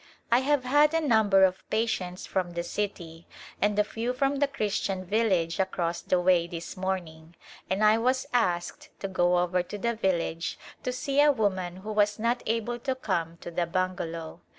I have had a number of patients from the city and a few from the Christian village across the way this morning, and I was asked to go over to the village to see a woman who was not able to come to the bungalow.